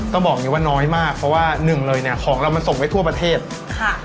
บอกอย่างงี้ว่าน้อยมากเพราะว่าหนึ่งเลยเนี้ยของเรามันส่งไว้ทั่วประเทศค่ะ